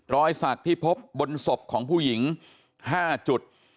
รอยสักที่พบบนศพของผู้หญิง๕จุด